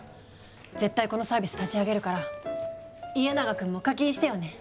絶対このサービス立ち上げるから家長くんも課金してよね。